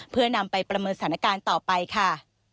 เพื่อนำไปประเมินสถานการณ์ต่อไปค่ะ